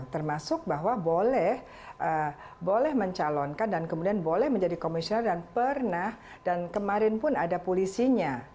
termasuk bahwa boleh mencalonkan dan kemudian boleh menjadi komisioner dan pernah dan kemarin pun ada polisinya